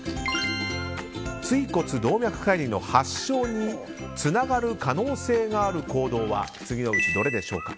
椎骨動脈解離の発症につながる可能性がある行動は次のうちどれでしょうか？